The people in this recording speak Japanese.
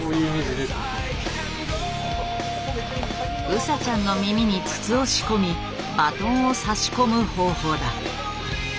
ウサちゃんの耳に筒を仕込みバトンを差し込む方法だ。